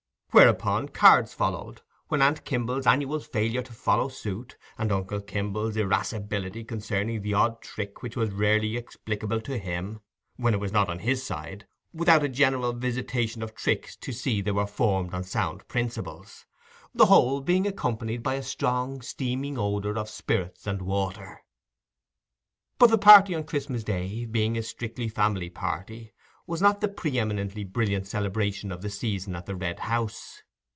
Whereupon cards followed, with aunt Kimble's annual failure to follow suit, and uncle Kimble's irascibility concerning the odd trick which was rarely explicable to him, when it was not on his side, without a general visitation of tricks to see that they were formed on sound principles: the whole being accompanied by a strong steaming odour of spirits and water. But the party on Christmas day, being a strictly family party, was not the pre eminently brilliant celebration of the season at the Red House.